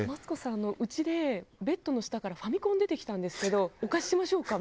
あのうちでベッドの下からファミコン出てきたんですけどお貸ししましょうか？